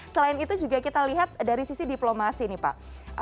selain itu juga kita lihat dari sisi diplomasi nih pak